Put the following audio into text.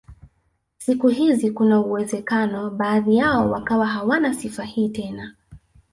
Siku hizi kuna uwezekano baadhi yao wakawa hawana sifa hii tena